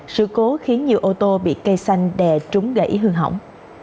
sự cố khiến nhiều ô tô bị cây xanh đè trúng gãy hư hỏng